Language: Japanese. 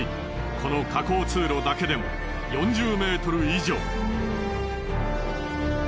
この下降通路だけでも４０ｍ以上。